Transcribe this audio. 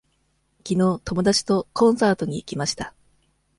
きのう友達とコンサートに行きました。